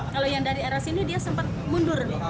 kalau yang dari arah sini dia sempat mundur